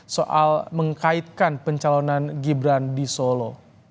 soal mengkaitkan pencalonan gibran di solo